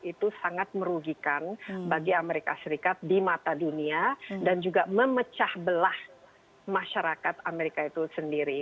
itu sangat merugikan bagi amerika serikat di mata dunia dan juga memecah belah masyarakat amerika itu sendiri